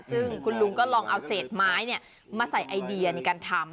ซึ่งคุณลุงก็ลองเอาเศษไม้มาใส่ไอเดียในการทำ